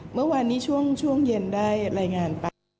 เมื่อวานนี้ช่วงเย็นได้รายงานไป